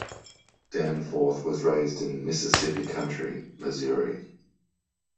Danforth was raised in Mississippi County, Missouri.